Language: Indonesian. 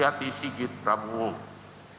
dan ibu jokowi